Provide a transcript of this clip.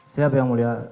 siap yang mulia